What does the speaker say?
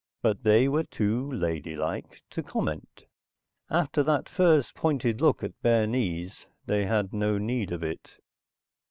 But they were too ladylike to comment. After that first pointed look at bare knees, they had no need of it.